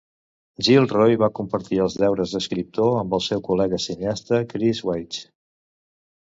Gilroy va compartir els deures d'escriptor amb el seu col·lega cineasta Chris Weitz.